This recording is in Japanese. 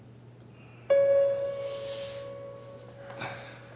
うん？